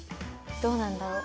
どうなんだろう。